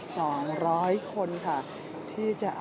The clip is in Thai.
สวัสดีครับ